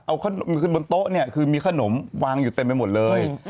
เอาบนโต๊ะเนี่ยคือมีขนมวางอยู่เต็มไปหมดเลย